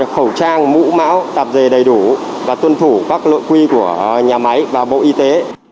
khẩu trang mũ máu tạp dề đầy đủ và tuân thủ các lợi quy của nhà máy và bộ y tế